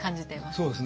そうですね